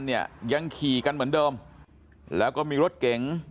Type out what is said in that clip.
เนี่ยยังขี่กันเหมือนเดิมแล้วก็มีรถเก๋ง